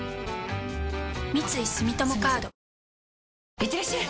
いってらっしゃい！